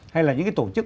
hay là những cái tổ chức